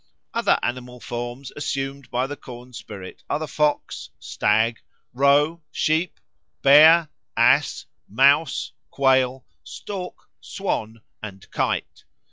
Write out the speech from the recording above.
Other animal forms assumed by the corn spirit are the fox, stag, roe, sheep, bear, ass, mouse, quail, stork, swan, and kite.